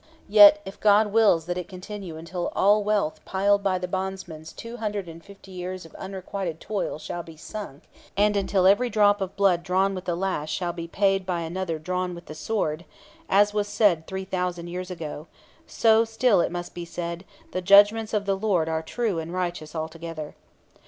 Yet, if God wills that it continue until all the wealth piled by the bondsmen's two hundred and fifty years of unrequited toil shall be sunk, and until every drop of blood drawn with the lash shall be paid by another drawn with the sword, as was said three thousand years ago, so still it must be said, 'The judgments of the Lord are true and righteous altogether.'